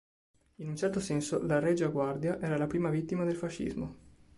In un certo senso la Regia Guardia era la prima vittima del fascismo.